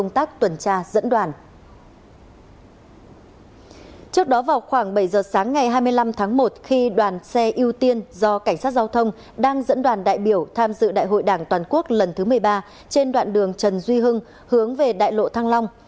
trước đó vào khoảng bảy giờ sáng ngày hai mươi năm tháng một khi đoàn xe ưu tiên do cảnh sát giao thông đang dẫn đoàn đại biểu tham dự đại hội đảng toàn quốc lần thứ một mươi ba trên đoạn đường trần duy hưng hướng về đại lộ thăng long